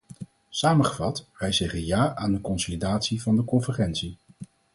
Samengevat, wij zeggen ja aan de consolidatie van de convergentie.